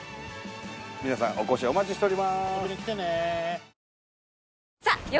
皆さんお越しをお待ちしております。